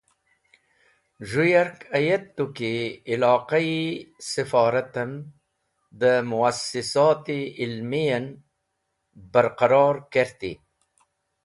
Z̃hũ yark ayet tu ki iloqa-e saforatem dẽ muwasisot-e ilmi en barqaror kerti.